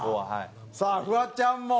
さあフワちゃんも。